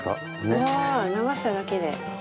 わー、流しただけで。